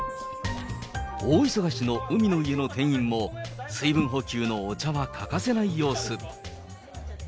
大忙しの海の家の店員も、水分補給のお茶は欠かせない様子。